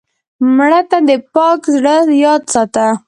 مړه ته د پاک زړه یاد ساته